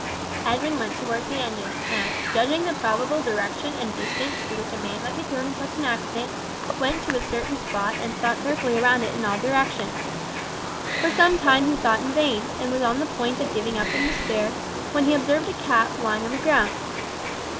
Edwin went towards the engine, and, judging the probable direction and distance to which a man might be thrown in such an accident, went to a certain spot and sought carefully around it in all directions. For some time he sought in vain, and was on the point of giving up in despair, when he observed a cap lying on the ground.